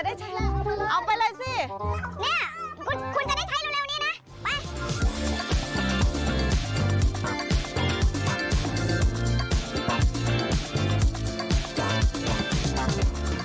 นี่คุณจะได้ใช้เร็วนี่นะไป